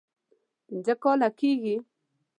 پنځه کاله یې کېږي.